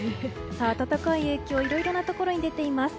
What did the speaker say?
暖かい影響いろいろなところに出ています。